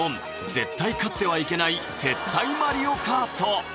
絶対勝ってはいけない接待「マリオカート」